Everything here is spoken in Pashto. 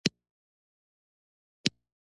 ګاز نه ټاکلی شکل لري نه ټاکلی حجم.